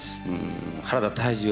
「原田泰治よ